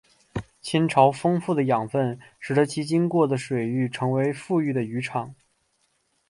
亲潮丰富的养分使得其经过的水域成为富裕的渔场。